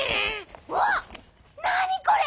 うわっなにこれ。